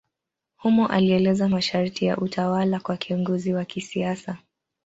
Humo alieleza masharti ya utawala kwa kiongozi wa kisiasa.